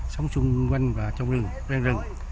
sống xung quanh và trong rừng